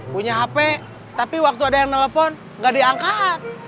punya hp tapi waktu ada yang nelpon gak diangkat